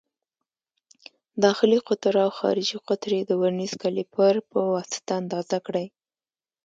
داخلي قطر او خارجي قطر یې د ورنیز کالیپر په واسطه اندازه کړئ.